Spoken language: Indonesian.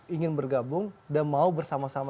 ingin bergabung dan mau bersama sama